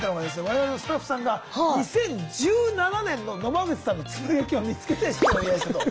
我々のスタッフさんが２０１７年の野間口さんのつぶやきを見つけて出演を依頼したと。